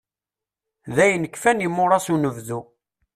Dayen kfan imuras unebdu.